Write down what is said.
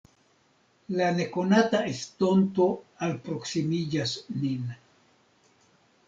La nekonata estonto alproksimiĝas nin.